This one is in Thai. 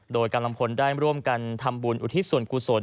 โดยกำลังพลได้ร่วมกันทำบุญอุทิศส่วนกุศล